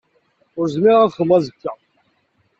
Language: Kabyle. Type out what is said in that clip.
Ur zmireɣ ad xedmeɣ azekka.